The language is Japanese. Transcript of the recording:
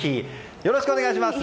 よろしくお願いします。